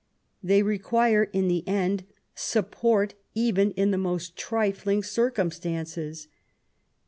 They require, in the end, support even in the most trifling circumstances.